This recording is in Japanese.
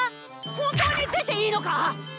本当に出ていいのか！？